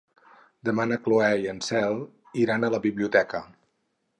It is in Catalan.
Demà na Cloè i na Cel iran a la biblioteca.